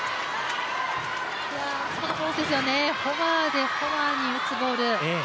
あそこのコースですよね、フォアでフォアに打つコース。